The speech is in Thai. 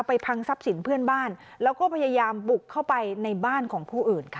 พังทรัพย์สินเพื่อนบ้านแล้วก็พยายามบุกเข้าไปในบ้านของผู้อื่นค่ะ